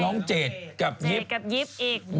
น้องเจดกับยิบเจดกับยิบอีก